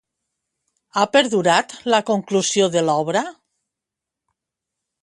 Ha perdurat la conclusió de l'obra?